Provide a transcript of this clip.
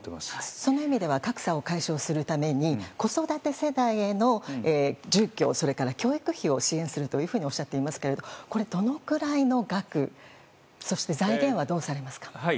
その意味では格差を解消するために子育て世代への住居、教育費を支援するとおっしゃっていますけどもどのくらいの額そして、財源はどうされますか。